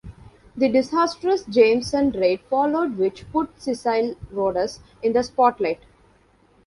The disastrous Jameson Raid followed which put Cecil Rhodes in the spotlight.